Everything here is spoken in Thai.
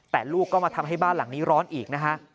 แต่ลูกก็มาทำให้บ้านหลังนี้ร้อนอีกนะฮะ